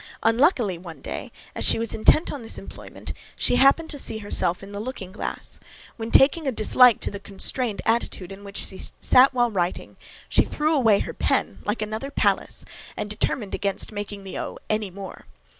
Unluckily one day, as she was intent on this employment, she happened to see herself in the looking glass; when, taking a dislike to the constrained attitude in which she sat while writing, she threw away her pen, like another Pallas, and determined against making the O any more.